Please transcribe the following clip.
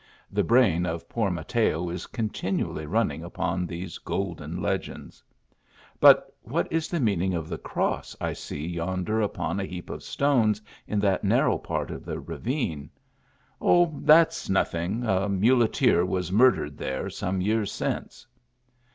The brain of poor Mateo s continually running upon these golden legends. " Bu" \\.\a\. is the meaning of the cross 1 see yon der upon a heap of stones in that narrow part of the ravine? "" Oh ! that s nothing a muleteer was murdered there some years since."